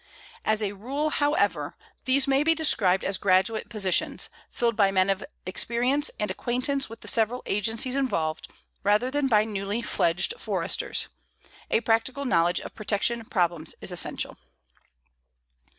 "As a rule, however, these may be described as graduate positions, filled by men of experience and acquaintance with the several agencies involved, rather than by newly fledged Foresters. A practical knowledge of protection problems is essential."